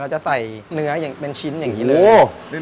จะใส่เนื้ออย่างเป็นชิ้นอย่างนี้เลย